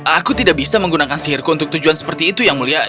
aku tidak bisa menggunakan sihirku untuk tujuan seperti itu yang mulia